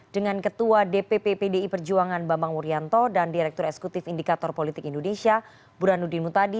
dengan ketua dpp pdi perjuangan bambang wuryanto dan direktur eksekutif indikator politik indonesia burhanuddin mutadi